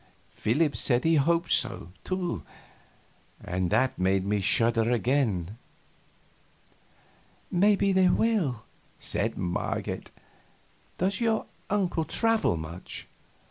Philip said he hoped so, too; and that made me shudder again. "Maybe they will," said Marget. "Does your uncle travel much?"